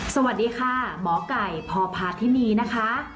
สวัสดีค่ะหมอไก่พพาธินีนะคะ